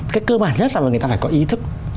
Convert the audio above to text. cái cơ bản nhất là người ta phải có ý thức